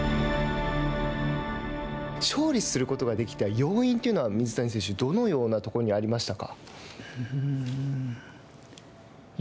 勝利することができた要因というのは水谷選手、どのようなところにありましたか。